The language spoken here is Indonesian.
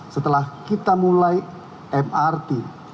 setelah kita mulai mrt